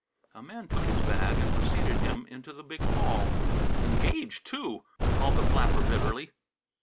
A man took his bag and preceded him into the big hall. "Engaged, too!" called the flapper bitterly.